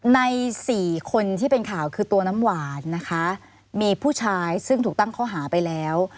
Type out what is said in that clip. ใน๔คนที่เป็นข่าวคือตัวน้ำหวานนะคะมีผู้ชายซึ่งถูกตั้งข้อหาไปแล้ว